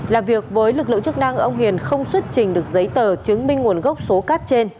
làm việc với lực lượng chức năng ông hiền không xuất trình được giấy tờ chứng minh nguồn gốc số cát trên